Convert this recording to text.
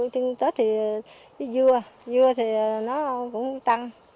tết thì dưa dưa thì nó cũng tăng